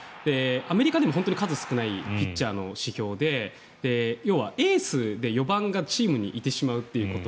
アメリカでも数少ないピッチャーの指標で要はエースで４番がチームにいてしまうということ。